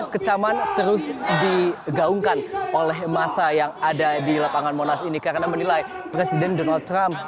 kecaman terus digaungkan oleh masa yang ada di lapangan monas ini karena menilai presiden donald trump